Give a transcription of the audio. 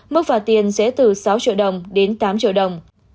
mức phạt tiền sẽ từ sáu triệu đồng đến tám triệu đồng